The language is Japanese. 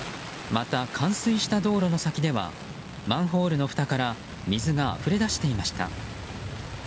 また冠水した道路の先ではマンホールのふたから水があふれ出していました。